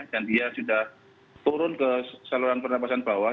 dan dia sudah turun ke saluran pernafasan bawah